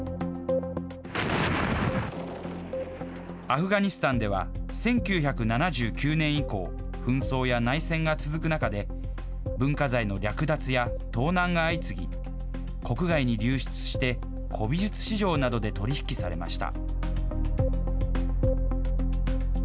アフガニスタンでは、１９７９年以降、紛争や内戦が続く中で、文化財の略奪や盗難が相次ぎ、国外に流出して、古美術市場などで取り引きされました。